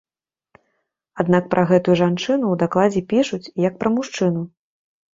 Аднак пра гэтую жанчыну ў дакладзе пішуць, як пра мужчыну.